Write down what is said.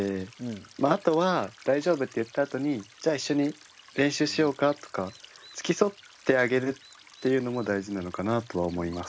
まああとは「大丈夫」って言ったあとに「じゃあ一緒に練習しようか？」とかつきそってあげるっていうのも大事なのかなとは思います。